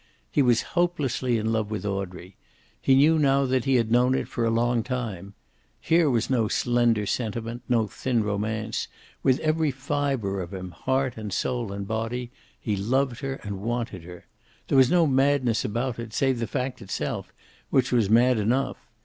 He was hopelessly in love with Audrey. He knew now that he had known it for a long time. Here was no slender sentiment, no thin romance. With every fiber of him, heart and soul and body, he loved her and wanted her. There was no madness about it, save the fact itself, which was mad enough.